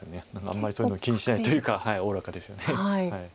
あんまりそういうの気にしないというかおおらかですよね。